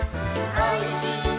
「おいしいね」